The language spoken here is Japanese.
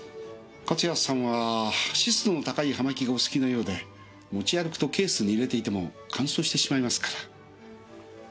勝谷さんは湿度の高い葉巻がお好きのようで持ち歩くとケースに入れていても乾燥してしまいますから。